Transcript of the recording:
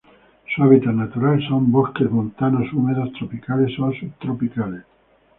Su hábitat natural son bosques montanos húmedos tropicales o subtropicales.